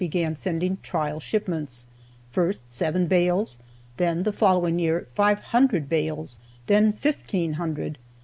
began sending trial shipments, first seven bales, then the following year five hundred bales, then fifteen hundred.